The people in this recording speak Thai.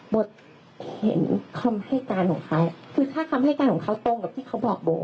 บทเห็นคำให้การของเขาคือถ้าคำให้การของเขาตรงกับที่เขาบอกโบ